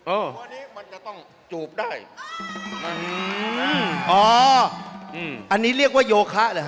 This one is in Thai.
โอ้ตัวนี้มันจะต้องจูบได้อ๋ออันนี้เรียกว่าโยคะหรอครับ